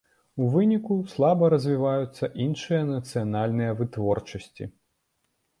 У выніку слаба развіваюцца іншыя нацыянальныя вытворчасці.